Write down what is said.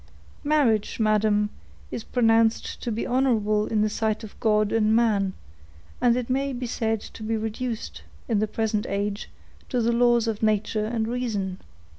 "Marriage, madam, is pronounced to be honorable in the sight of God and man; and it may be said to be reduced, in the present age, to the laws of nature and reason.